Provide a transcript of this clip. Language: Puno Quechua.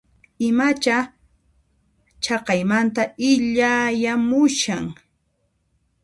Imacha chaqaymanta illayamushan?